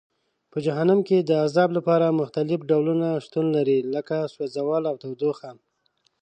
په جهنم کې د عذاب لپاره مختلف ډولونه شتون لري لکه سوځول او تودوخه.